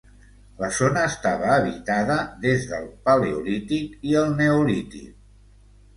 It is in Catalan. La zona estava habitada des del Paleolític i el Neolític.